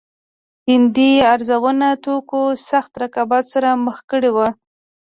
هندي ارزانه توکو سخت رقابت سره مخ کړي وو.